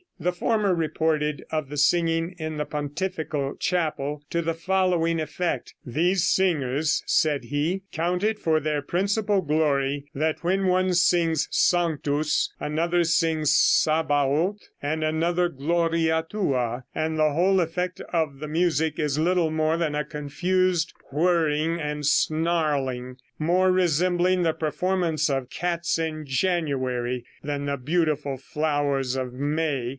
The former reported of the singing in the pontifical chapel, to the following effect: "These singers," said he, "count it for their principal glory that when one sings sanctus, another sings Sabbaoth and another gloria tua, and the whole effect of the music is little more than a confused whirring and snarling, more resembling the performance of cats in January than the beautiful flowers of May."